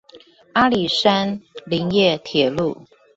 阿里山林業鐵路